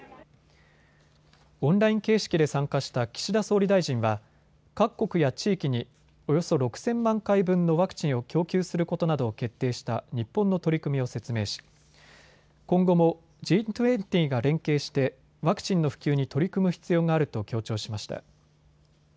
オンライン形式で参加した岸田総理大臣は各国や地域におよそ６０００万回分のワクチンを供給することなどを決定した日本の取り組みを説明し、今後もＧ２０が連携してワクチンの普及に取り組む必要があると強調しました。